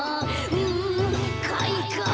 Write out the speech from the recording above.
うんかいか！